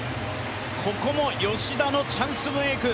ここも吉田のチャンスメーク。